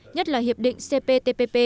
nhất là hiệp định cptpp